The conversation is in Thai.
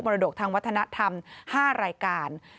รดกทางวัฒนธรรม๕รายการ